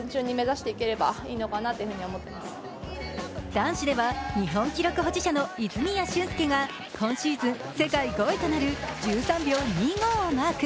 男子では日本記録保持者の泉谷駿介が今シーズン世界５位となる１３秒２５をマーク。